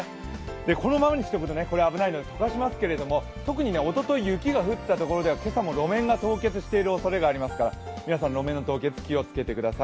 このままにしておくと危ないので溶かしますけれども、特におととい、雪が降ったところでは今朝も路面が凍結しているおそれがありますから皆さん路面凍結気をつけてください。